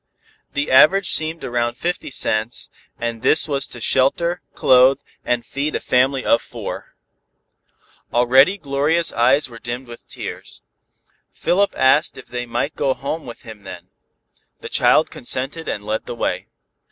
The average seemed around fifty cents, and this was to shelter, clothe and feed a family of four. Already Gloria's eyes were dimmed with tears. Philip asked if they might go home with him then. The child consented and led the way.